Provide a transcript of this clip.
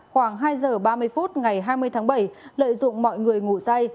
khoảng hai giờ ba mươi phút ngày hai mươi tháng bảy lợi dụng mọi người ngủ say